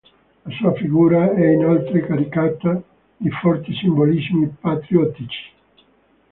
La sua figura è inoltre caricata di forti simbolismi patriottici.